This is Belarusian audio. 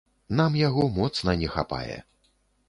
Нам яго моцна не хапае.